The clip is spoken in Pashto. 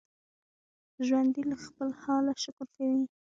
ژوندي له خپل حاله شکر کوي